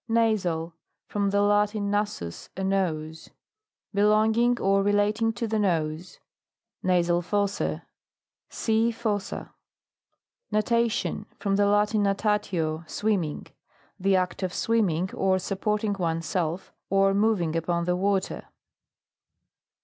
NASAL. From the Latin, nasus, a nose. Belonging or relating to the nose. Nasal fossae. (See Fossa.) NATATION. From the Latin, natatio, swimming. The act of swimming, or supporting one's self, or moving upon the water.